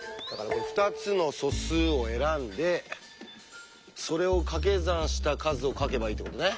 ２つの素数を選んでそれをかけ算した数を書けばいいってことね。